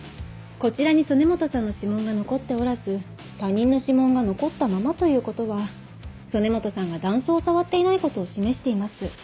こちらに曽根本さんの指紋が残っておらず他人の指紋が残ったままということは曽根本さんが弾倉を触っていないことを示しています。